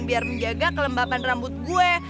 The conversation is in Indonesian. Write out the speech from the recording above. biar menjaga kelembapan rambut gue